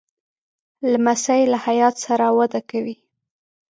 لمسی له حیا سره وده کوي.